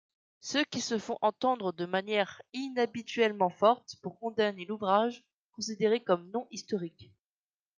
Ceux-ci se font entendre de manière inhabituellement forte pour condamner l'ouvrage, considéré comme non-historique.